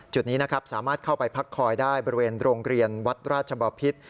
จุดนี้นะครับสามารถเข้าไปพักคอยได้บริเวณโรงเรียนวัดราชบพิษ